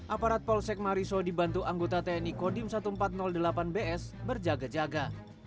aparat polsek mariso dibantu anggota tni kodim seribu empat ratus delapan bs berjaga jaga